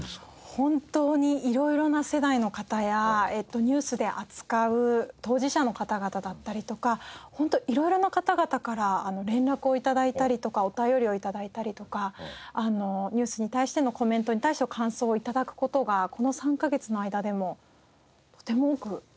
本当に色々な世代の方やニュースで扱う当事者の方々だったりとか本当色々な方々から連絡を頂いたりとかお便りを頂いたりとかニュースに対してのコメントに対して感想を頂く事がこの３カ月の間でもとても多くありました。